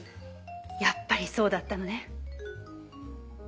やっぱりそうだったのね。